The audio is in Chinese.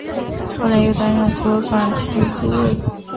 后来又担任左转骑都尉。